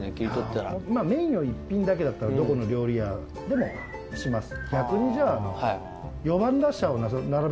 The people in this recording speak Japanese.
メインが一品だけだったらどこの料理屋でもします。